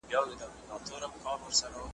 او په باریکیو یوازي باریک بین خلک پوهیږي .